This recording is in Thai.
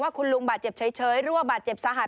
คุณลุงบาดเจ็บเฉยหรือว่าบาดเจ็บสาหัส